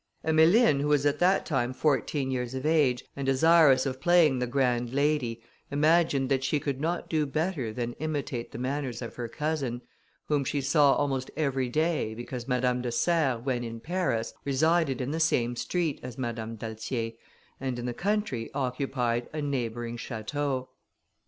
Emmeline, who was at that time fourteen years of age, and desirous of playing the grand lady, imagined that she could not do better than imitate the manners of her cousin, whom she saw almost every day, because Madame de Serres, when in Paris, resided in the same street as Madame d'Altier, and in the country occupied a neighbouring château.